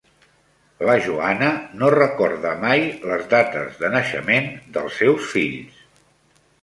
La Joana no recorda mai les dates de naixement dels seus fills.